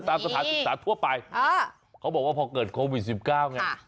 สถานศึกษาทั่วไปเขาบอกว่าพอเกิดโควิด๑๙ไง